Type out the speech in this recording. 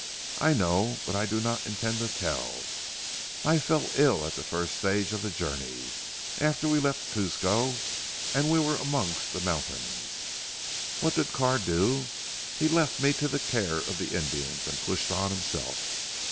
I know, but I do not intend to tell. I fell ill at the first stage of the journey after we left Cuzco and were amongst the mountains. What did Carr do? He left me to the care of the Indians, and pushed on himself.